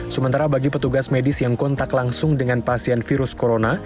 sementara bagi petugas medis yang kontak langsung dengan pasien virus corona